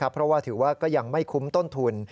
เพราะว่าถือว่าก็ยังไม่คุ้มต้นทุน